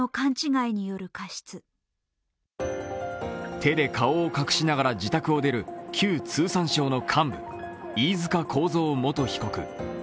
手で顔を隠しながら自宅を出る旧通産省の幹部、飯塚幸三元被告。